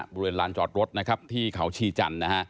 บริเวณร้านจอดรถที่เขาชีจันทร์